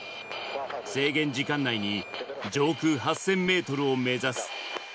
制限時間内に上空８０００メートルを目指す。